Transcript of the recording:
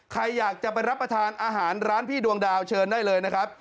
ใครอยากจะไปรับประทานอาหารร้านพี่ดวงดาวเชิญได้เลยนะครับ